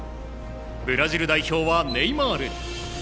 ブラジル代表はネイマール。